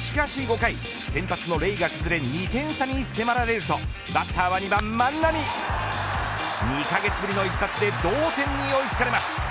しかし５回先発のレイが崩れ２点差に迫られるとバッターは２番、万波２カ月ぶりの一発で同点に追いつかれます。